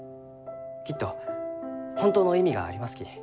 きっと本当の意味がありますき。